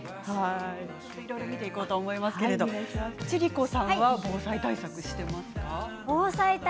いろいろ見ていこうと思いますけど千里子さんは防災対策していますか？